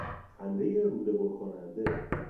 خندهی رودهبر کننده